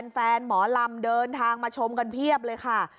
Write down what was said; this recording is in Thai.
หมอลำเดินทางมาชมกันเพียบเลยค่ะ